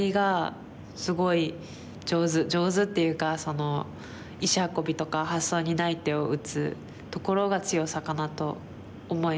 上手っていうか石運びとか発想にない手を打つところが強さかなと思います。